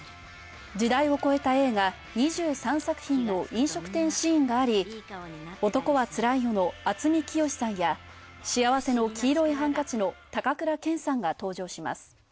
時代を越えた映画２３作品の飲食店シーンがあり、「男はつらいよ」の渥美清さんや「幸福の黄色いハンカチ」の高倉健さんが登場します。